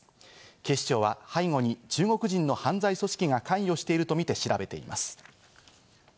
警視庁は背後に中国人の犯罪組織が関与しているとみて調べています。